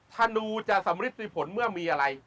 ธนูจะสำริดมีผลเมื่อมีอะไร